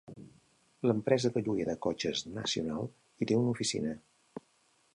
L'empresa de lloguer de cotxes National hi té una oficina.